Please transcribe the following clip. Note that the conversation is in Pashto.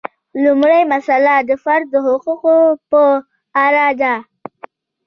لومړۍ مسئله د فرد د حقوقو په اړه ده.